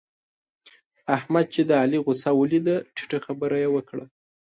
احمد چې د علي غوسه وليده؛ ټيټه خبره يې وکړه.